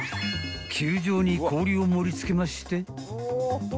［球状に氷を盛り付けまして］